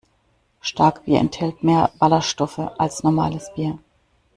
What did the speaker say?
Starkbier enthält mehr Ballerstoffe als normales Bier.